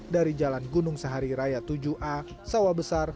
dari jalan gunung sahari raya tujuh a sawah besar